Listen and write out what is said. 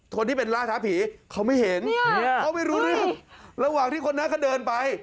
คนที่เป็นล่าท้าผีเขาไม่เห็นเขาไม่รู้เรื่องระหว่างที่คนนั้นเขาเดินไป